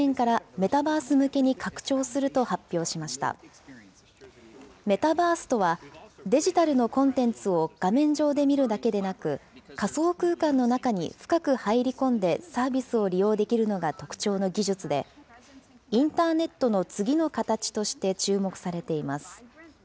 メタバースとは、デジタルのコンテンツを画面上で見るだけでなく、仮想空間の中に深く入り込んでサービスを利用できるのが特徴の技術で、インターネットの次の形として注目されています。